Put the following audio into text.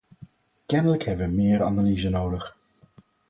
Kennelijk hebben we meer analyse nodig.